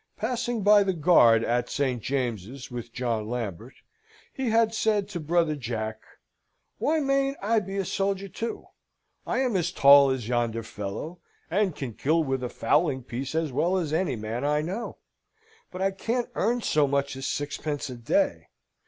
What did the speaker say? Passing by the guard at St. James's, with John Lambert, he had said to brother Jack, "Why mayn't I be a soldier too? I am as tall as yonder fellow, and can kill with a fowling piece as well as any man I know. But I can't earn so much as sixpence a day.